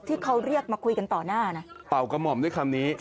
ที่เคาเรียกมาคุยกันต่อหน้า